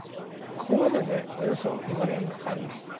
ここまででおよそ５年かかります。